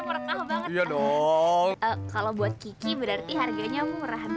maret banget oh kalau buat kiki berarti harganya murah